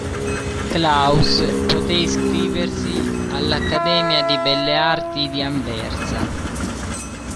Claus poté iscriversi all'Accademia di Belle arti di Anversa.